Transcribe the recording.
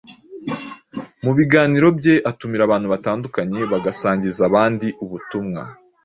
Mu biganiro bye atumira abantu batandukanye bagasangiza abandi ubutumwa